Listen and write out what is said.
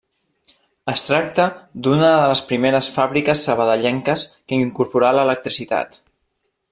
Es tracta d'una de les primeres fàbriques sabadellenques que incorporà l'electricitat.